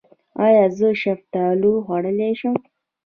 ایا زه شفتالو خوړلی شم؟